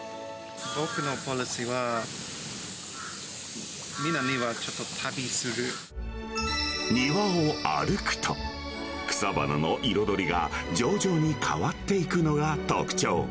僕のポリシーは、庭を歩くと、草花の彩りが徐々に変わっていくのが特徴。